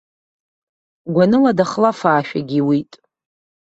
Гәаныла даахлафшәагьы иуит.